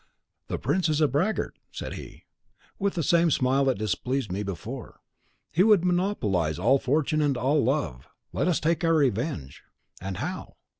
"'The prince is a braggart,' said he, with the same smile that displeased me before. 'He would monopolize all fortune and all love. Let us take our revenge.' "'And how?